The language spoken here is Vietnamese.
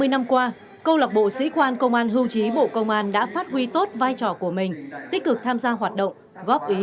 hai mươi năm qua câu lạc bộ sĩ quan công an hưu trí bộ công an đã phát huy tốt vai trò của mình tích cực tham gia hoạt động góp ý